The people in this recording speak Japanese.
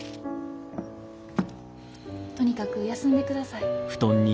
とにかく休んでください。